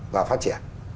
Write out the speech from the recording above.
và phát triển